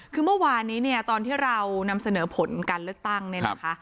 คือเมื่อวานนี้เนี่ยตอนที่เรานำเสนอผลการเลือกตั้งเนี่ยนะคะ